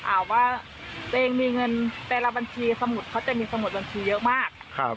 ว่าตัวเองมีเงินแต่ละบัญชีสมุดเขาจะมีสมุดบัญชีเยอะมาก